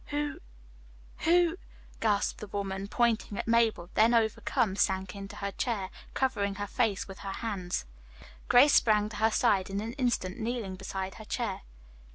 "Who who " gasped the woman, pointing at Mabel, then overcome sank into her chair, covering her face with her hands. Grace sprang to her side in an instant, kneeling beside her chair.